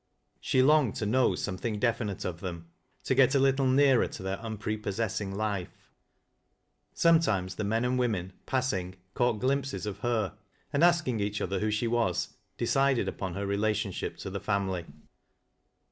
She longed to know something definite of them — to get a little nearer to their unprepossessing life. Sometimes the men and women, passing, caught glimpses of her, and, asking each other who she was, decided upon her relationship to the family.